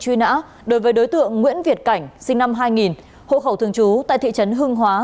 truy nã đối với đối tượng nguyễn việt cảnh sinh năm hai nghìn hộ khẩu thường trú tại thị trấn hưng hóa